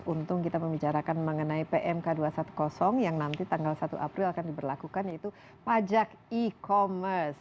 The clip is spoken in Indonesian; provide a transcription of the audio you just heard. untung kita membicarakan mengenai pmk dua ratus sepuluh yang nanti tanggal satu april akan diberlakukan yaitu pajak e commerce